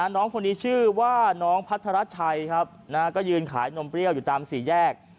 น้องคนนี้ชื่อว่าน้องพัทรชัยครับก็ยืนขายนมเปรี้ยวอยู่ตามสี่แยก